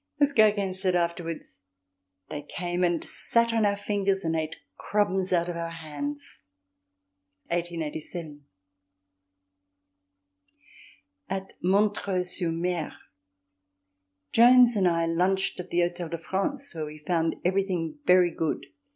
As Gogin said afterwards: "They came and sat on our fingers and ate crumbs out of our hands." [1887.] At Montreuil sur Mer Jones and I lunched at the Hôtel de France where we found everything very good.